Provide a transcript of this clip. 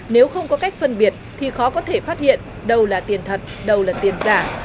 nếu không có cách phân biệt thì khó có thể phát hiện đâu là tiền thật đâu là tiền giả